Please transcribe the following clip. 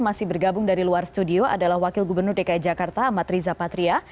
masih bergabung dari luar studio adalah wakil gubernur dki jakarta amat riza patria